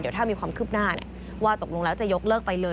เดี๋ยวถ้ามีความคืบหน้าว่าตกลงแล้วจะยกเลิกไปเลย